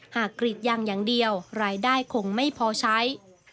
กรีดยางอย่างเดียวรายได้คงไม่พอใช้